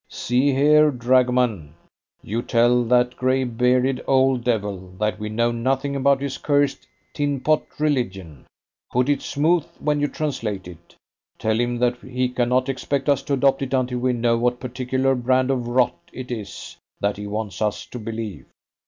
See here, dragoman! You tell that grey bearded old devil that we know nothing about his cursed tinpot religion. Put it smooth when you translate it. Tell him that he cannot expect us to adopt it until we know what particular brand of rot it is that he wants us to believe.